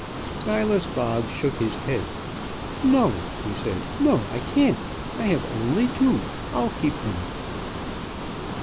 Silas Boggs shook his head. "No!" he said. "No! I can't. I have only two. I'll keep them."